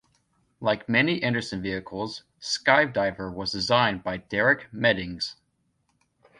Like many Anderson vehicles, Skydiver was designed by Derek Meddings.